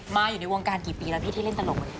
อยู่ในวงการกี่ปีแล้วพี่ที่เล่นตลก